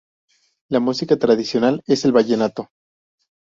La música tradicional es el vallenato.